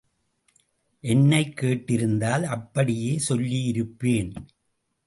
என்னைக் கேட்டிருந்தால் அப்படியே சொல்லியிருப்பேன்.